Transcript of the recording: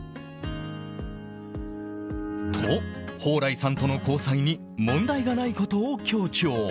と、蓬莱さんとの交際に問題がないことを強調。